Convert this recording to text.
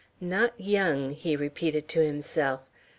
"Not young," he repeated to himself.